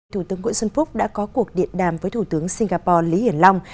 thủ tướng nguyễn xuân phúc đã có cuộc điện đàm với thủ tướng singapore lý hiển long